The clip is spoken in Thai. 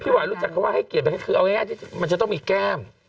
พี่หวายรู้จักเขาว่าให้เกียรติคือเอาง่ายมันจะต้องมีแก้ม